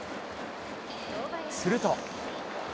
すると。